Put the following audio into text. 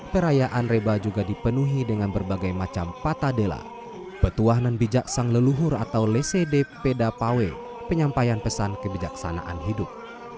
perayaan reba juga dipenuhi dengan berbagai macam patadela petuah dan bijaksang leluhur atau lecd pedapawe penyampaian pesan kebijaksanaan hidup